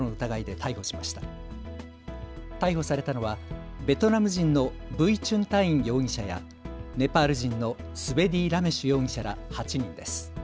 逮捕されたのはベトナム人のブイ・チュン・タイン容疑者やネパール人のスベディー・ラメシュ容疑者ら８人です。